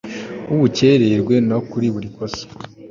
w ubukererwe no kuri buri kosa